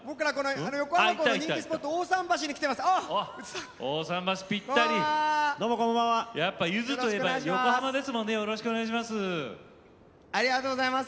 横浜港の人気スポット大さん橋に来ています。